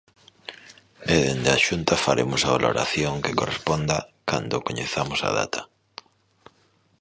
E dende a Xunta faremos a valoración que corresponda cando coñezamos a data.